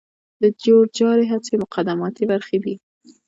د جور جارې هڅې مقدماتي برخي دي.